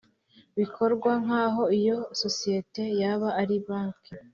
Bikorwa nk’aho iyo sosiyete yaba ari banki